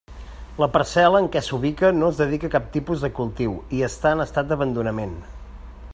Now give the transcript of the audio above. La parcel·la en què s'ubica no es dedica a cap tipus de cultiu i està en estat d'abandonament.